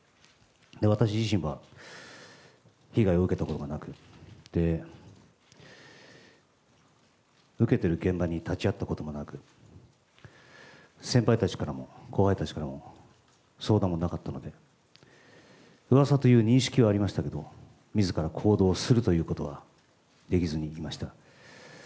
私自身は被害を受けたことがなく、受けてる現場に立ち会ったこともなく、先輩たちからも、後輩たちからも、相談もなかったので、うわさという認識はありましたけれども、みずから行動をするということはできずにいました。